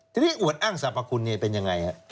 ทีนี้อวดอ้างสรรพคุณนี่เป็นอย่างไร